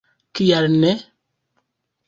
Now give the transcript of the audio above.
Kial ne?!